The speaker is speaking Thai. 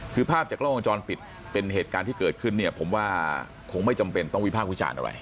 คือภาพจากกล้องวงจรปิดเป็นเหตุการณ์ที่เกิดขึ้นเนี่ยผมว่าคงไม่จำเป็นต้องวิพากษ์วิจารณ์อะไร